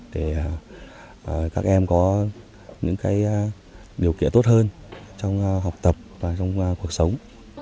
để các em có những điều kiện tốt hơn trong học tập và trong cuộc sống